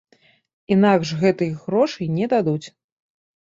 Інакш гэтых грошай не дадуць.